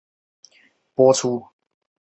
由黄承恩播出。